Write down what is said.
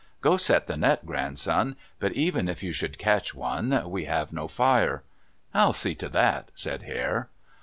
Go set the net, grandson. But even if you should catch one, we have no fire." "I'll see to that," said Hare.